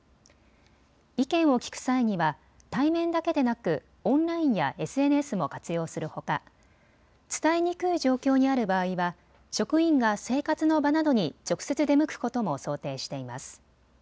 意見を聴く際には対面だけでなくオンラインやＳＮＳも活用するほか、伝えにくい状況にある場合は職員が生活の場などに直接出向くことも想定しています。